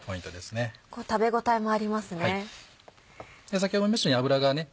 先ほど言いましたように脂がね